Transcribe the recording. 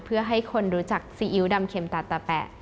เพื่อให้คนรู้จักซีอิ๊วดำเข็มตาตาแปะ